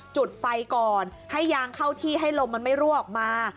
จุดไฟก่อนให้ยางเข้าที่ให้ลมมันไม่รั่วออกมา